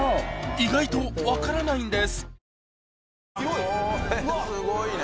意外と分からないんです